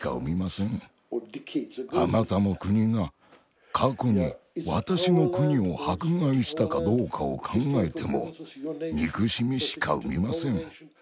あなたの国が過去に私の国を迫害したかどうかを考えても憎しみしか生みません。